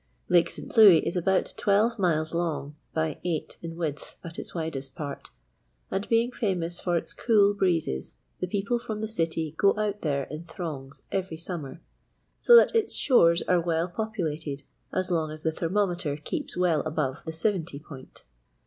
Lake St. Louis is about twelve miles long by eight in width at its widest part, and being famous for its cool breezes, the people from the city go out there in throngs every summer, so that its shores are well populated as long as the thermometer keeps well above the seventy point.